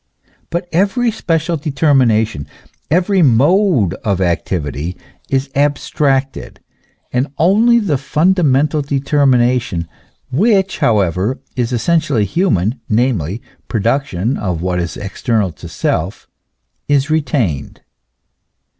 But every special determi nation, every mode of activity is abstracted, and only the fundamental determination, which however is essentially human, namely, production of what is external to self, is re tained.